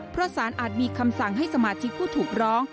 เพราะสารอาจมีคำสั่งให้สมาชิกผู้ถูกร้อง